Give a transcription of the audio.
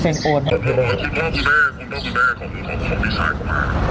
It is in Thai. คือไม่รับโอนด้วยหรือครับพี่